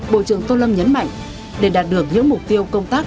bộ trưởng tô lâm nhấn mạnh để đạt được những mục tiêu công tác